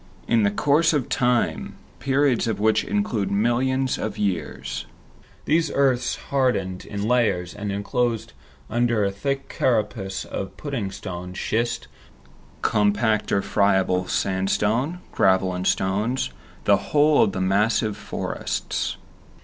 In course of time, periods of which include millions of years, these earths hardened in layers, and enclosed under a thick carapace of pudding stone, schist, compact or friable sandstone, gravel and stones, the whole of the massive forests.